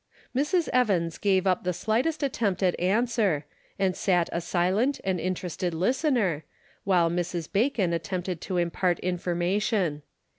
Mrs. Evans gave up the slightest attempt at answer, and sat a silent and interested listener, while Mrs. Bacon attempted to impart infor mation.